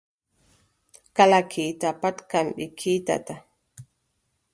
Kala kiita pat kamɓe kiitata.